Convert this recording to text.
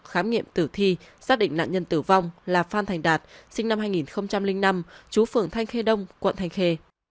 khám nghiệm tử thi xác định nạn nhân tử vong là phan thành đạt sinh năm hai nghìn năm chú phường thanh khê đông quận thanh khê